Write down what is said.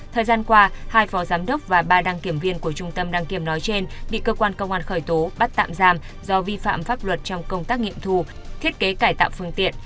thời gian qua hai phó giám đốc và ba đăng kiểm viên của trung tâm đăng kiểm nói trên bị cơ quan công an khởi tố bắt tạm giam do vi phạm pháp luật trong công tác nghiệm thu thiết kế cải tạo phương tiện